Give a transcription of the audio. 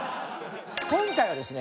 今回はですね